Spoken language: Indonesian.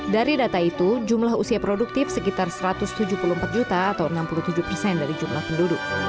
dari data itu jumlah usia produktif sekitar satu ratus tujuh puluh empat juta atau enam puluh tujuh persen dari jumlah penduduk